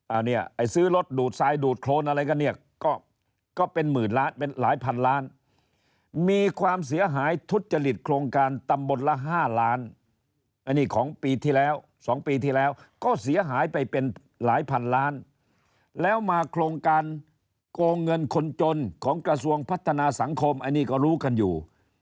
อันนี้ไอ้ซื้อรถดูดทรายดูดโครนอะไรกันเนี่ยก็ก็เป็นหมื่นล้านเป็นหลายพันล้านมีความเสียหายทุจริตโครงการตำบลละ๕ล้านอันนี้ของปีที่แล้ว๒ปีที่แล้วก็เสียหายไปเป็นหลายพันล้านแล้วมาโครงการโกงเงินคนจนของกระทรวงพัฒนาสังคมอันนี้ก็รู้กันอยู่